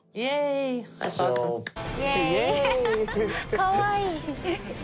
かわいい。